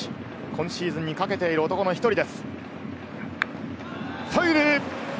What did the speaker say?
今シーズンにかけている男の１人です。